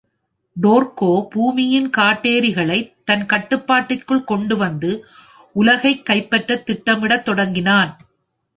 டோர்கோ பூமியின் காட்டேரிகளைத் தன் கட்டுப்பாட்டிற்குள் கொண்டுவந்து, உலகைக் கைப்பற்றத் திட்டமிடத் தொடங்கினான்.